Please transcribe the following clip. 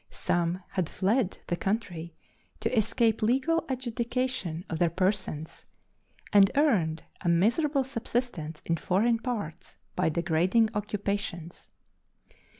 Some had fled the country to escape legal adjudication of their persons, and earned a miserable subsistence in foreign parts by degrading occupations.